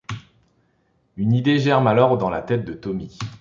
Une idée germe alors dans la tête de Tommy.